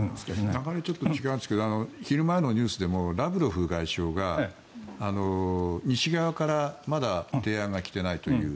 流れはちょっと違いますが昼前のニュースでもラブロフ外相が西側からまだ提案が来ていないという。